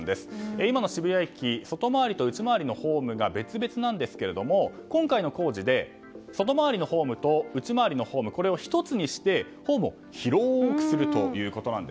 今の渋谷駅外回りと内回りのホームが別々なんですが、今回の工事で外周りのホームと内回りのホームを１つにしてホームを広くするということです。